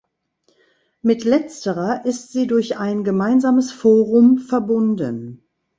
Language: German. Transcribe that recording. Mit letzterer ist sie durch ein gemeinsames Forum verbunden.